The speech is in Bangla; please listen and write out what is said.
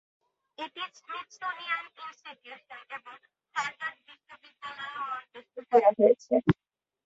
এটি স্মিথসোনিয়ান ইনস্টিটিউশন এবং হার্ভার্ড বিশ্ববিদ্যালয়েও মঞ্চস্থ করা হয়েছে।